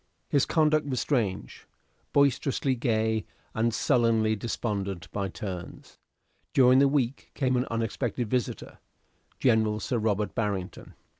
His conduct was strange; boisterously gay and sullenly despondent by turns. During the week came an unexpected visitor, General Sir Robert Barrington.